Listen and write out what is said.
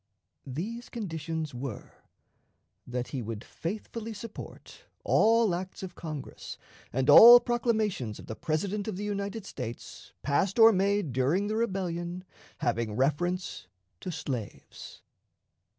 These conditions were, that he would faithfully support all acts of Congress and all proclamations of the President of the United States, passed or made during the rebellion, having reference to slaves.